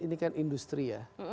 ini kan industri ya